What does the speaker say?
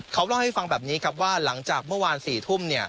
เขาเล่าให้ฟังแบบนี้ครับว่าหลังจากเมื่อวาน๔ทุ่ม